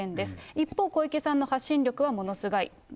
一方、小池さんの発信力はものすごい。